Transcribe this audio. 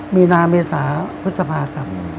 มีนาเมษาพุทธภาพครับ